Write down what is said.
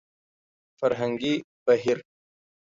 فرهنګي بهير